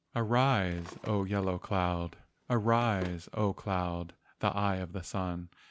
"Arise, O yellow cloud, Arise, O cloud—the eye of the sun.